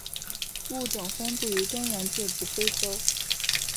物种分布于东洋界及非洲。